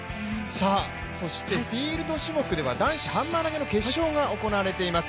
フィールド種目では、男子ハンマー投げの決勝が行われています。